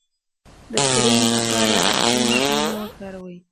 د کرنې لپاره عصري ماشینونه وکاروئ.